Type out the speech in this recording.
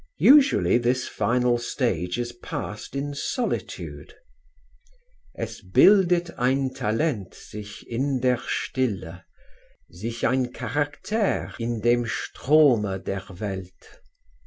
Usually this final stage is passed in solitude: Es bildet ein Talent sich in der Stille, _Sich ein Charakter in dem Strome der Welt.